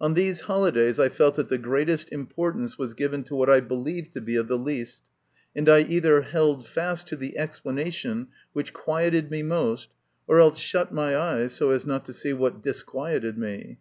On these holidays, I felt that the greatest importance was given to what I believed to be of the least, and I either held fast to the explanation which quieted me most, or else shut my eyes so as not to see what disquieted me.